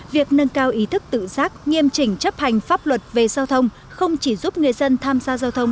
việc nâng cao ý thức tự giác nghiêm chỉnh chấp hành pháp luật về giao thông không chỉ giúp người dân tham gia giao thông